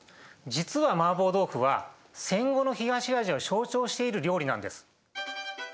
実は麻婆豆腐は戦後の東アジアを象徴している料理なんです。